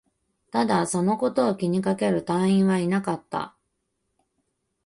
ただ、そのことを気にかける隊員はいなかった